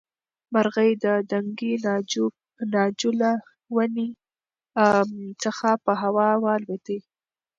مرغۍ د دنګې ناجو له ونې څخه په هوا والوتې.